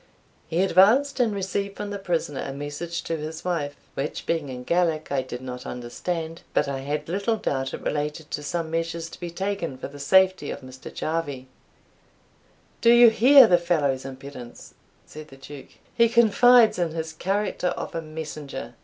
He advanced, and received from the prisoner a message to his wife, which, being in Gaelic, I did not understand, but I had little doubt it related to some measures to be taken for the safety of Mr. Jarvie. "Do you hear the fellow's impudence?" said the Duke; "he confides in his character of a messenger.